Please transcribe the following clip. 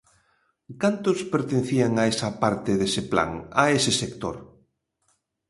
¿Cantos pertencían a esa parte dese plan, a ese sector?